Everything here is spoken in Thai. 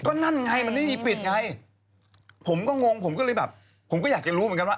ก็นั่นไงมันไม่มีปิดไงผมก็งงผมก็เลยแบบผมก็อยากจะรู้เหมือนกันว่า